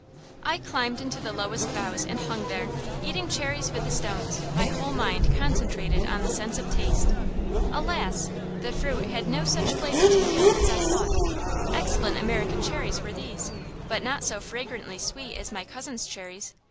I climbed into the lowest boughs and hung there, eating cherries with the stones, my whole mind concentrated on the sense of taste. Alas! the fruit had no such flavor to yield as I sought. Excellent American cherries were these, but not so fragrantly sweet as my cousin's cherries.